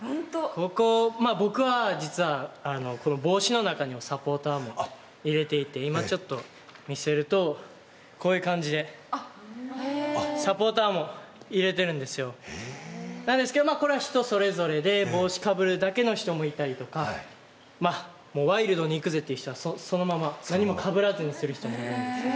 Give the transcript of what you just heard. ここ僕は実は帽子の中にサポーターも入れていて今ちょっと見せるとこういう感じでサポーターも入れてるんですよなんですけどこれは人それぞれで帽子かぶるだけの人もいたりとかワイルドにいくぜっていう人はそのまま何もかぶらずにする人もいるんです